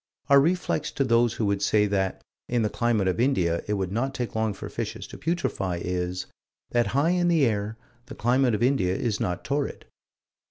Our reflex to those who would say that, in the climate of India, it would not take long for fishes to putrefy, is that high in the air, the climate of India is not torrid.